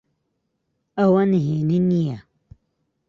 ئەوە نهێنی نییە.